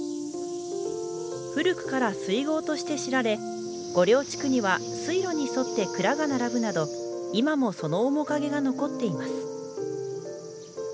古くから水郷として知られ御領地区には水路に沿って蔵が並ぶなど今もその面影が残っています。